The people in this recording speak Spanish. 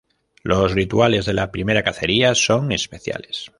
Los rituales de la primera cacería son especiales.